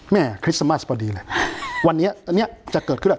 แม่คริสต์สมาสต์พอดีแหละวันนี้อันเนี้ยจะเกิดขึ้นแหละ